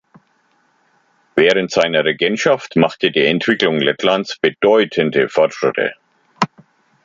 Während seiner Regentschaft machte die Entwicklung Lettlands bedeutende Fortschritte.